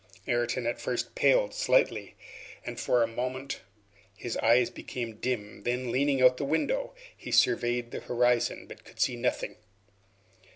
Ayrton at first paled slightly, and for a moment his eyes became dim; then, leaning out the window, he surveyed the horizon, but could see nothing.